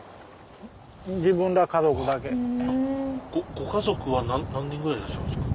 ご家族は何人ぐらいいらっしゃるんですか？